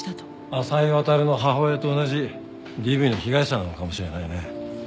浅井航の母親と同じＤＶの被害者なのかもしれないね。